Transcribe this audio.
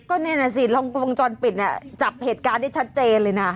ก็แน่นอนสิลองมงจรปิดอะจับเหตุการณ์ได้ชัดเจนเลยนะ